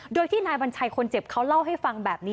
โดยที่นายวัญชัยคนเจ็บเขาเล่าให้ฟังแบบนี้